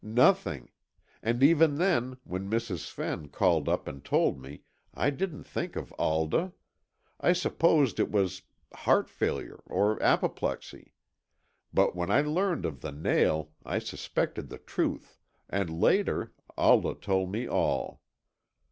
"Nothing. And even then, when Mrs. Fenn called up and told me, I didn't think of Alda. I supposed it was heart failure or apoplexy. But when I learned of the nail I suspected the truth, and later, Alda told me all.